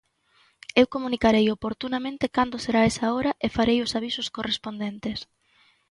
Eu comunicarei oportunamente cando será esa hora e farei os avisos correspondentes.